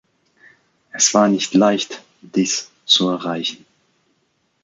Es war nicht leicht, dies zu erreichen.